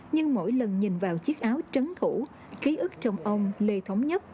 nhưng mỗi lần nhìn vào chiếc áo trắng thủ ký ức trong ông lê thống nhất